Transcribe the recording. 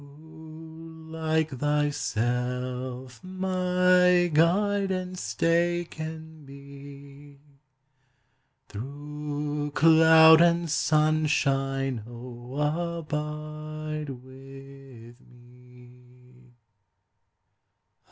Who like thyself my guide and stay can be? Through cloud and sunshine, O abide with me!